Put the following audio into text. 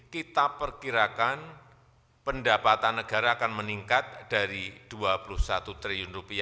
kita perkirakan pendapatan negara akan meningkat dari rp dua puluh satu triliun